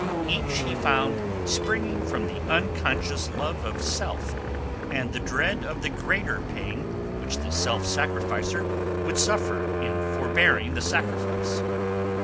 Each he found springing from the unconscious love of self and the dread of the greater pain which the self sacrificer would suffer in forbearing the sacrifice.